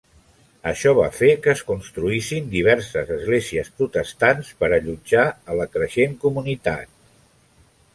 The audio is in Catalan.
Això va fer que es construïssin diverses esglésies protestants per allotjar a la creixen comunitat.